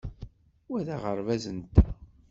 Wa d aɣerbaz-nteɣ.